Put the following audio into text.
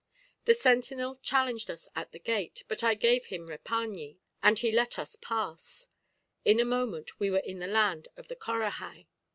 The sentinel challenged us at the gate, but I gave him repañí, and he let us pass; in a moment we were in the land of the Corahai.